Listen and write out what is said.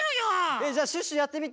えじゃあシュッシュやってみて。